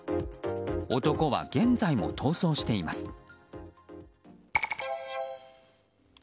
男は現在も逃走しています。